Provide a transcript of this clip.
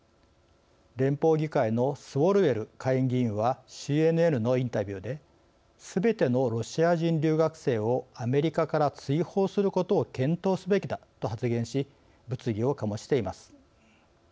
連邦議会のスウォルウェル下院議員はＣＮＮのインタビューで「すべてのロシア人留学生をアメリカから追放することを検討すべきだ」と発言し物議を醸しています。